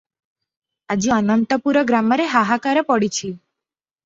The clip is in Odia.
ଆଜି ଅନନ୍ତପୁର ଗ୍ରାମରେ ହାହାକାର ପଡ଼ିଛି ।